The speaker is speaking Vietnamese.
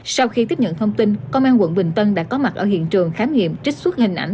sau khi tiếp nhận thông tin công an quận bình tân đã có mặt ở hiện trường khám nghiệm trích xuất hình ảnh